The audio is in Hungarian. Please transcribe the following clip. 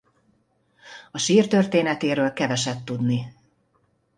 A sír történetéről keveset tudni.